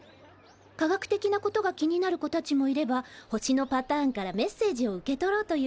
科学的なことが気になる子たちもいれば星のパターンからメッセージを受け取ろうという人もいる。